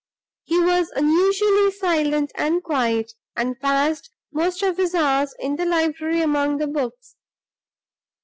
He was unusually silent and quiet, and passed most of his hours in the library among the books.